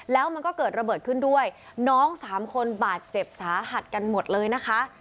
แล้วมันก็เกิดระเบิดขึ้นด้วยน้องสามคนบาดเจ็บสาหัสกันหมดเลยนะคะ